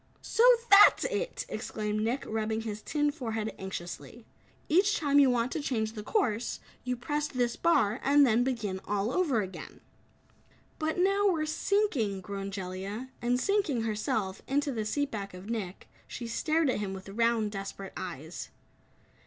"So THAT'S it!" exclaimed Nick, rubbing his tin forehead anxiously. "Each time you want to change the course, you press this bar and then begin all over again." "But now we're sinking," groaned Jellia. And sinking herself, into the seat back of Nick, she stared at him with round, desperate eyes.